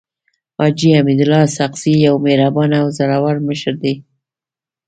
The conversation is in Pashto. حاجي حميدالله اسحق زی يو مهربانه او زړور مشر دی.